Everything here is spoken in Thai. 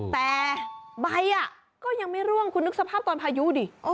แต่ใบก็ยังไม่ร่วงคุณนึกสภาพตอนพายุดิ